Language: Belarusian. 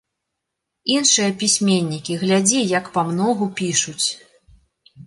Іншыя пісьменнікі, глядзі, як памногу пішуць.